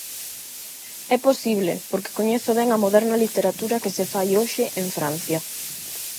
É posible, porque coñezo ben a moderna literatura que se fai hoxe en Francia.